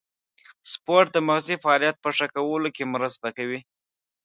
سپورت د مغزي فعالیت په ښه کولو کې مرسته کوي.